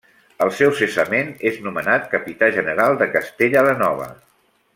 Al seu cessament és nomenat Capità General de Castella la Nova.